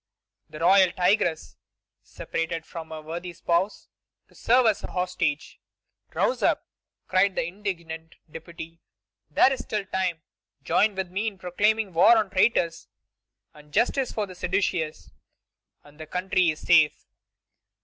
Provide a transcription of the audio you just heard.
"The royal tigress, separated from her worthy spouse, to serve as a hostage." "Rouse up!" cried the indignant deputy. "There is still time. Join with me in proclaiming war on traitors and justice for the seditious, and the country is safe!"